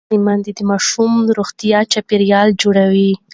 لوستې میندې د ماشوم روغ چاپېریال جوړوي.